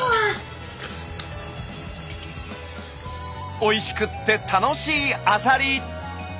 おいしくって楽しいアサリ！